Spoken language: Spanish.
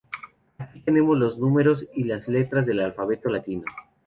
Aquí tenemos los números y las letras del alfabeto latino.